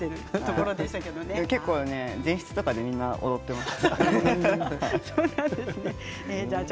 結構、前室でみんな踊っています。